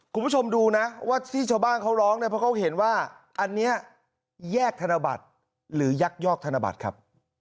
คุณผู้ชมดูนะว่าที่ชาวบ้านเขาร้องเนี่ยเพราะเขาเห็นว่าอันนี้แยกธนบัตรหรือยักยอกธนบัตรครับ